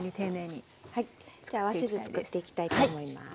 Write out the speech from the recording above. では合わせ酢作っていきたいと思います。